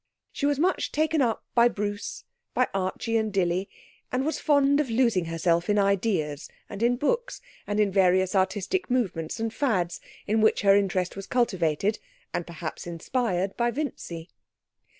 She was much taken up by Bruce, by Archie and Dilly, and was fond of losing herself in ideas and in books, and in various artistic movements and fads in which her interest was cultivated and perhaps inspired by Vincy.